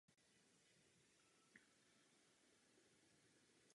Později se objevil ještě v krajském přeboru v dresu Benešova.